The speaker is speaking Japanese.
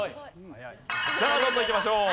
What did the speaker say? さあどんどんいきましょう。